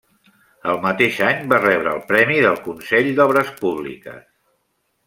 El mateix any va rebre el Premi del Consell d'Obres Públiques.